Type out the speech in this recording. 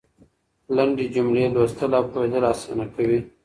لنډې جملې لوستل او پوهېدل اسانه کوي.